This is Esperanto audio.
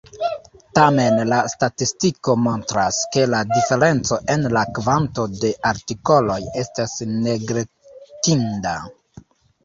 Tamen la statistiko montras, ke la diferenco en la kvanto de artikoloj estas neglektinda.